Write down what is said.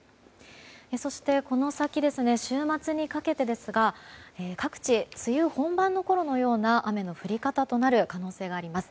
そして、この先週末にかけてですが各地、梅雨本番のころのような雨の降り方となる可能性があります。